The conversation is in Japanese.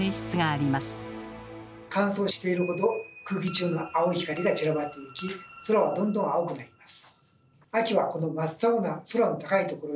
乾燥しているほど空気中に青い光が散らばっていき空はどんどん青くなります。